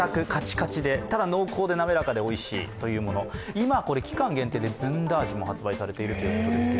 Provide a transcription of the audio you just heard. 今、期間限定でずんだ味も販売されているということてず。